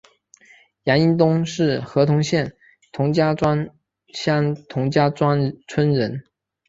杨荫东是合阳县同家庄乡同家庄村人。